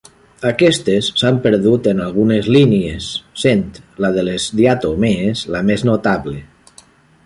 Aquestes s'han perdut en algunes línies, sent la de les diatomees la més notable.